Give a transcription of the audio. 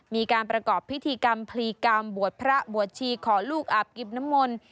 มีการประกอบพิธีกรรมพลีกรรมบวชพระบวชชีขอลูกอาบกิบน้ำมนต์